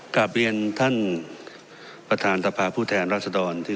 กลับเรียนท่านประธานสภาผู้แทนรัศดรที่